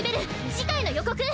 次回の予告！